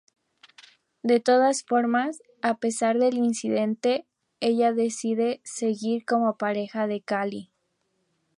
De todas formas, a pesar del incidente, ella decide seguir como pareja de Callie.